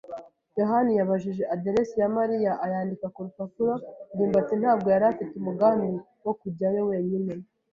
yohani yabajije aderesi ya Mariya ayandika ku rupapuro. ndimbati ntabwo yari afite umugambi wo kujyayo wenyine.